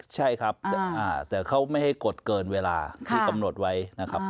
ใช่ครับแต่เขาไม่ให้กดเกินเวลาที่กำหนดไว้นะครับ